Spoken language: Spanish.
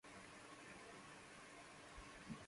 Механизмы, т.